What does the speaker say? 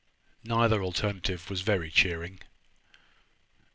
Neither alternative was very cheering.